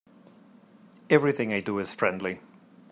Everything I do is friendly.